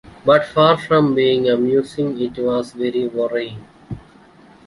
But far from being amusing, it was very worrying.